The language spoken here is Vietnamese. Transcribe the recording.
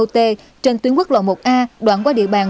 trên tuyến quốc lộ một a đoạn qua địa bàn